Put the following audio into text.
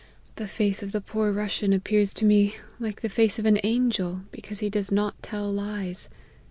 The face of the poor Russian appears to me like the face of an angel, because he does not tell lies.